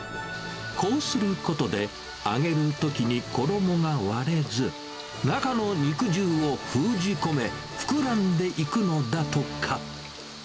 こうすることで、揚げるときに衣が割れず、中の肉汁を封じ込め、膨らんでいくのだとか。